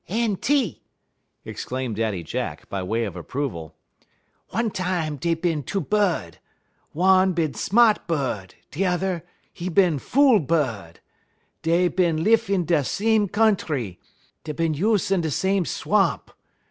"Enty!" exclaimed Daddy Jack, by way of approval. "One time dey bin two bud. One bin sma't bud; da turrer, 'e bin fool bud. Dey bin lif in da sem countree; da bin use in da sem swamp.